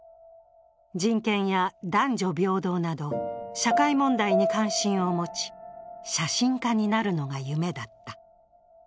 人権や男女平等など社会問題に関心を持ち、写真家になるのが夢だった。